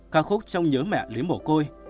các khúc trong nhớ mẹ lý mổ côi